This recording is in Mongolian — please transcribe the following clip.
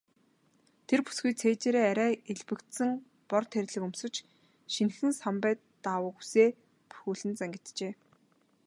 Тэр бүсгүй цээжээрээ арай элбэгдсэн бор тэрлэг өмсөж, шинэхэн самбай даавууг үсээ бүрхүүлэн зангиджээ.